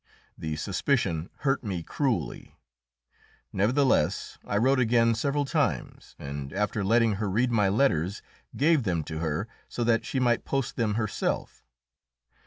The suspicion hurt me cruelly; nevertheless, I wrote again several times, and, after letting her read my letters, gave them to her, so that she might post them herself.